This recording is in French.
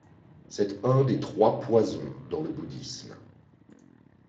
C'est un des trois poisons dans le bouddhisme.